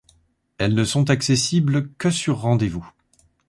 Elles ne sont accessibles que sur rendez-vous.